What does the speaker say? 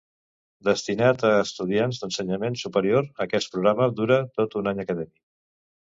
Destinat a estudiants d"ensenyament superior, aquest programa dura tot un any acadèmic.